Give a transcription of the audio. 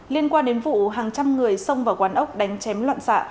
liên quan đến vụ hàng trăm người xông vào quán ốc đánh chém loạn xạ